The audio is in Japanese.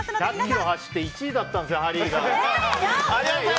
１００ｋｍ走って１位だったんですよ、ハリーが。